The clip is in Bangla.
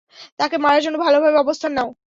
তাকে মারার জন্য ভালোভাবে অবস্থান নাও।